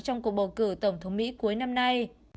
trong cuộc bầu cử tổng thống mỹ cuối năm nay